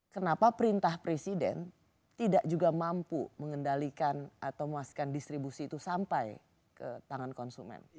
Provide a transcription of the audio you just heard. kenapa perintah presiden tidak juga mampu mengendalikan atau memastikan distribusi itu sampai ke tangan konsumen